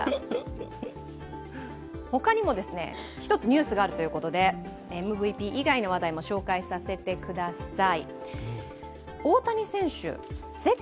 他にも一つニュースがあるということでＭＶＰ以外の話題も紹介させてください。